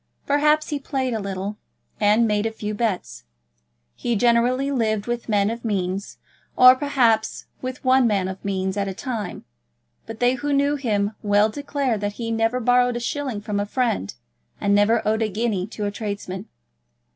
Perhaps he played a little, and made a few bets. He generally lived with men of means; or perhaps with one man of means at a time; but they who knew him well declared that he never borrowed a shilling from a friend, and never owed a guinea to a tradesman.